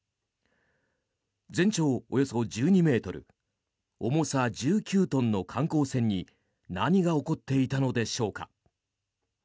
全長およそ１２ｍ重さ１９トンの観光船に何が起こっていたのでしょうか。